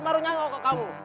marunya gak mau ke kamu